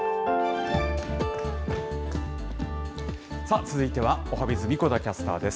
さあ、続いてはおはＢｉｚ、神子田キャスターです。